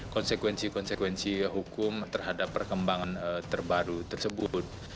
konsekuensi konsekuensi hukum terhadap perkembangan terbaru tersebut